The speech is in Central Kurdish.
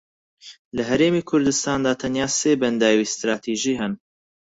لە هەرێمی کوردستاندا تەنیا سێ بەنداوی ستراتیژی هەن